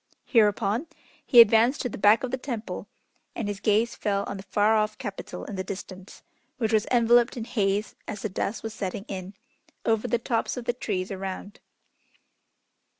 Hereupon, he advanced to the back of the temple, and his gaze fell on the far off Capital in the distance, which was enveloped in haze as the dusk was setting in, over the tops of the trees around.